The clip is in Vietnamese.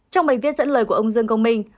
trong bài viết dẫn lời của ông dương công minh